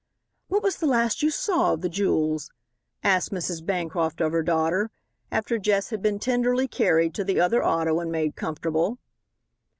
"What was the last you saw of the jewels?" asked Mrs. Bancroft of her daughter, after Jess had been tenderly carried to the other auto and made comfortable.